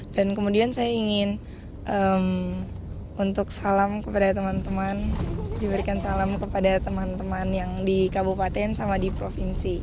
dan kemudian saya ingin untuk salam kepada teman teman diberikan salam kepada teman teman yang di kabupaten sama di provinsi